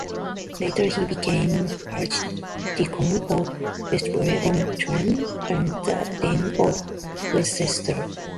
Later he became archdeacon of Westbury-on-Trym, and then dean of Worcester.